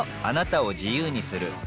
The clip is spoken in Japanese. あなたを自由にする